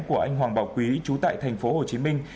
của anh hoàng bảo quý chú tại thành phố hồ chí minh